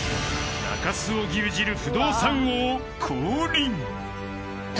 ［中洲を牛耳る不動産王降臨］